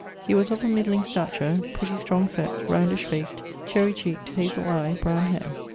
He was of a middling stature, pretty strong sett, roundish faced, cherry cheek't, hazell eie, browne haire.